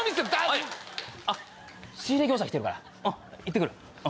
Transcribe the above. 仕入れ業者来てるから行って来る。